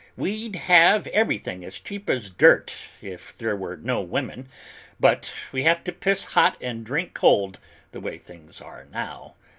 We'd have everything as cheap as dirt if there were no women, but we have to piss hot and drink cold, the way things are now."